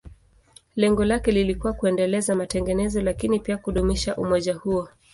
Lengo lake lilikuwa kuendeleza matengenezo, lakini pia kudumisha umoja huo.